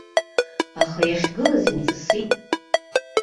Аха иахьгылаз имҵысит.